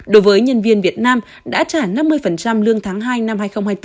đối với nhân viên việt nam đã trả năm mươi lương tháng hai năm hai nghìn hai mươi bốn